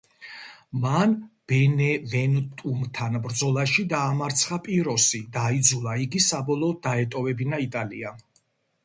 მან ბენევენტუმთან ბრძოლაში დაამარცხა პიროსი და აიძულა იგი საბოლოოდ დაეტოვებინა იტალია.